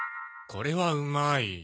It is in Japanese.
これはうまい。